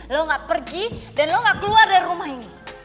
lo gak pergi dan lo gak keluar dari rumah ini